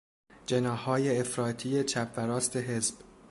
جناحهای افراطی چپ و راست حزب